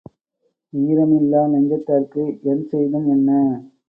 ஈரம் இல்லா நெஞ்சத்தார்க்கு என் செய்தும் என்ன?